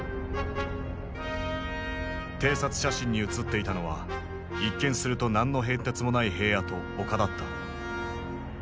偵察写真に写っていたのは一見すると何の変哲もない平野と丘だった。